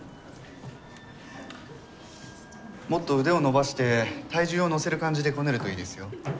もっと腕を伸ばして体重を乗せる感じでこねるといいですよ。